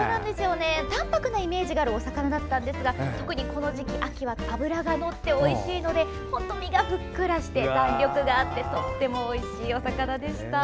たんぱくなイメージがあるお魚だったんですが特に秋は脂がのっておいしいので本当に身が、ふっくらして弾力があってとってもおいしいお魚でした。